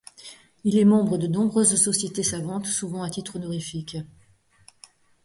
Il est membre de nombreuses sociétés savantes souvent à titre honorifique.